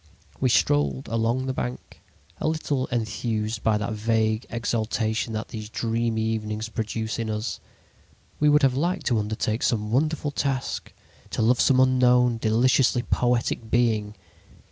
"We strolled along the bank, a little enthused by that vague exaltation that these dreamy evenings produce in us. We would have liked to undertake some wonderful task, to love some unknown, deliciously poetic being.